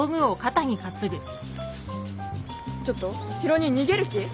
ちょっとヒロ兄逃げる気？